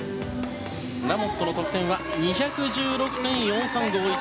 ラモットの得点は２１６．４３５１。